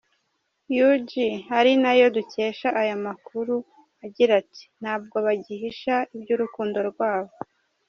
ug ari nayo dukesha aya makuru, agira ati: “Ntabwo bagihisha iby’urukundo rwabo.